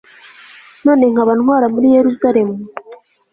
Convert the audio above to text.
none nkaba ntwara muri yeruzalemu